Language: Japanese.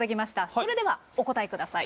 それではお答えください。